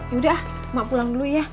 yaudah mak pulang dulu ya